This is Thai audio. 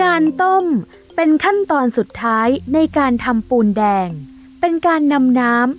ต้มเป็นขั้นตอนสุดท้ายในการทำปูนแดงเป็นการนำน้ำ